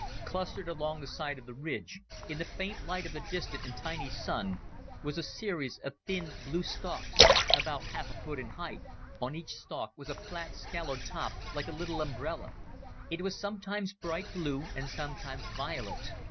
Clustered along the side of the ridge, in the faint light of the distant and tiny Sun, was a series of thin, blue stalks, about half a foot in height. On each stalk was a flat scalloped top like a little umbrella. It was sometimes bright blue, and sometimes violet.